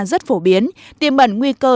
rất phổ biến tiềm bẩn nguy cơ